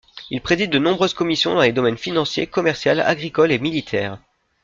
Il préside de nombreuses commissions dans les domaines financier, commercial, agricole et militaire.